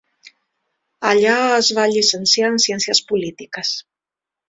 Allà es va llicenciar en ciències polítiques.